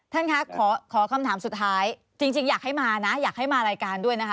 ท่านคะขอคำถามสุดท้ายจริงอยากให้มานะอยากให้มารายการด้วยนะคะ